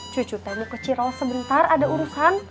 cucu temui ke cirol sebentar ada urusan